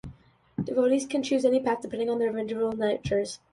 Devotees can choose any path depending on their individual natures.